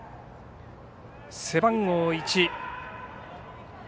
背番号１。